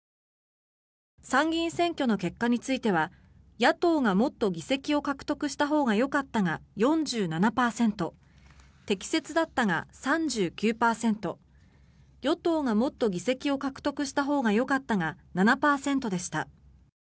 参議院選挙の結果については野党がもっと議席を獲得したほうがよかったが４７％適切だったが３９％与党がもっと議席を獲得したほうがよかったが７％でした。